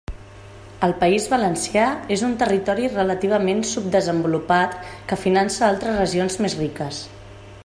El País Valencià és un territori relativament subdesenvolupat que finança altres regions més riques.